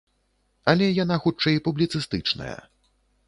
Але яна хутчэй публіцыстычная.